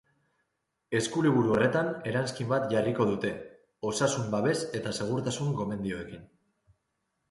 Eskuliburu horretan eranskin bat jarriko dute, osasun babes eta segurtasun-gomendioekin.